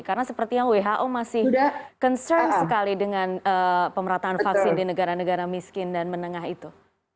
karena seperti yang who masih concern sekali dengan pemerataan vaksin di negara negara miskin dan menengah itu